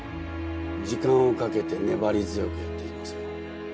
時間をかけて粘り強くやっていきますよ。